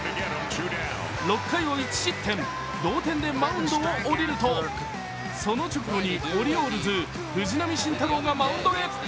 ６回を１失点、同点でマウンドを降りると、その直後にオリオールズ藤浪晋太郎がマウンドへ。